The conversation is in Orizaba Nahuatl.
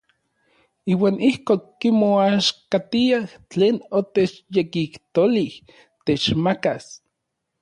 Iuan ijkon kimoaxkatiaj tlen otechyekijtolij techmakas.